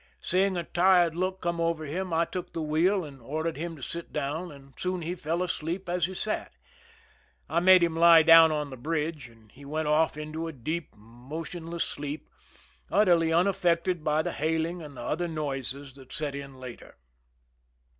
Seeing a tired look come over him, I took the wheel and ordered him to sit down, and soon he fell asleep as he sat. I made him lie down on the bridge, and he went off into a deep, motion less sleep, utterly unaffected by the hailing and the other noises that set in later.